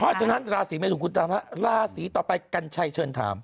เพราะฉะนั้นราศีเมทุนคุณตามฮะราศีต่อไปกัญชัยเชิญถาม